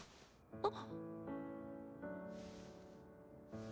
・あっ！